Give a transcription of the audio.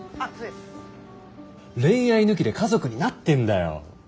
恋愛抜きで家族になってんだよ。